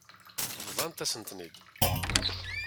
Bḍant-asent-ten-id.